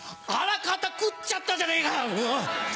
あらかた食っちゃったじゃねえか！